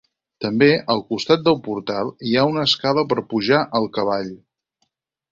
També, al costat del portal, hi ha una escala per pujar al cavall.